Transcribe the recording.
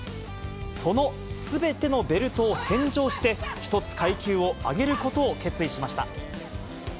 そのすべてのベルトを返上して、１つ階級を上げることを決意しました。